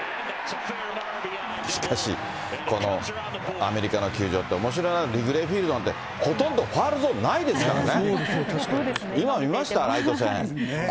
しかし、このアメリカの球場っておもしろいな、リグレーフィールドなんてほとんどファウルゾーンないですからね。